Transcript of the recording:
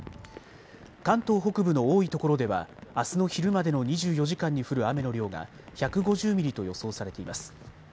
関東北部の多いところではあすの昼までの２４時間に降る雨の量が１５０ミリと予想されています。